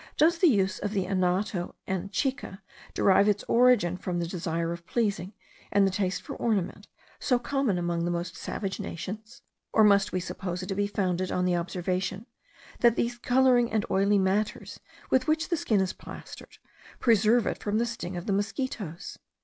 Does the use of the anato and chica derive its origin from the desire of pleasing, and the taste for ornament, so common among the most savage nations? or must we suppose it to be founded on the observation, that these colouring and oily matters with which the skin is plastered, preserve it from the sting of the mosquitos?